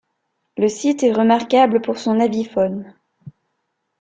Le site est remarquable pour son avifaune.